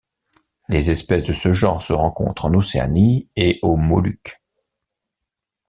Les espèces de ce genre se rencontrent en Océanie et aux Moluques.